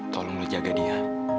tolong kamu jaga dia